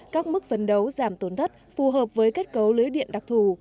các mức phấn đấu giảm tổn thất phù hợp với kết cấu lưới điện đặc thù